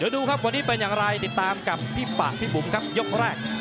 ดูครับวันนี้เป็นอย่างไรติดตามกับพี่ปากพี่บุ๋มครับยกแรก